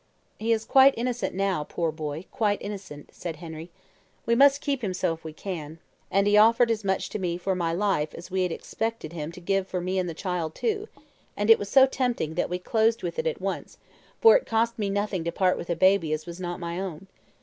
"'He is quite innocent now, poor boy, quite innocent,' said Henry; 'we must keep him so if we can,' and he offered as much to me for my life as we had expected him to give for me and the child too; and it was so tempting that we closed with it at once, for it cost me nothing to part with a baby as was not my own.